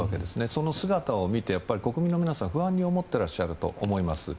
その姿を見て、国民の皆さんは不安に思っていらっしゃると思います。